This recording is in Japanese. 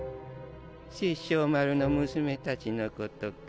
殺生丸の娘達のことか。